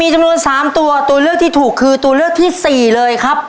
จำนวน๓ตัวตัวเลือกที่ถูกคือตัวเลือกที่สี่เลยครับ